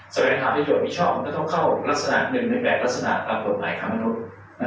สวัสดีธรรมประโยชน์มิชช่องมันก็ต้องเข้ารักษณะหนึ่งในแบบรักษณะตามตัวหมายข้ามนุษย์